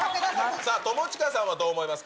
友近さんはどう思いますか？